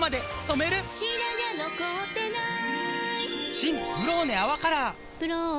新「ブローネ泡カラー」「ブローネ」